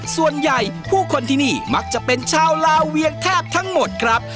ส่วนใหญ่ผู้คนที่นี่มักจะเป็นชาวลาเวียงแทบทั้งหมดครับ